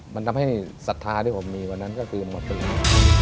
มันทำให้ศรัทธาที่ผมมีวันนั้นก็คือหมดไปเลย